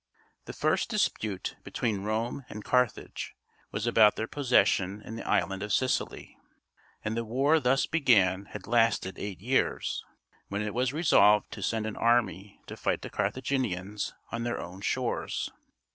The first dispute between Rome and Carthage was about their possession in the island of Sicily; and the war thus begun had lasted eight years, when it was resolved to send an army to fight the Carthaginians on their own shores.